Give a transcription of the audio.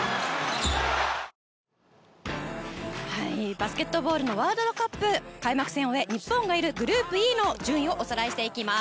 バスケットボールのワールドカップ開幕戦を終え日本がいるグループＥの順位をおさらいしていきます。